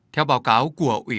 theo báo cáo của ubnd